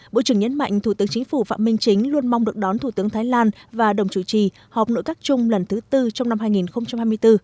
bộ trưởng nhấn mạnh thủ tướng chính phủ phạm minh chính luôn mong được đón thủ tướng thái lan và đồng chủ trì họp nội các chung lần thứ tư trong năm hai nghìn hai mươi bốn